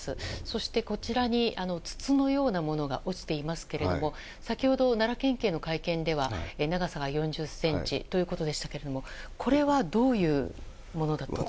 そして、筒のようなものが落ちていますが先ほど、奈良県警の会見では長さ４０ｃｍということでしたがこれはどういうものだと。